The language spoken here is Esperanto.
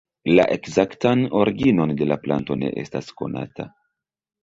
La ekzaktan originon de la planto ne estas konata.